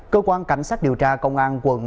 cơ quan cảnh sát điều tra công an quận